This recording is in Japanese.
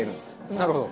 なるほど。